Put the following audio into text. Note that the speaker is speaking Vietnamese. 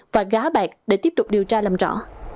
và gá bạc để tiếp tục điều tra làm rõ